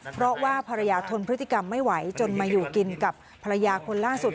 เพราะว่าภรรยาทนพฤติกรรมไม่ไหวจนมาอยู่กินกับภรรยาคนล่าสุด